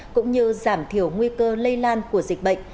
cũng như giảm thiểu nguy cơ lây lan của dịch bệnh